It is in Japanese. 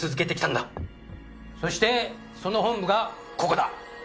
そしてその本部がここだ！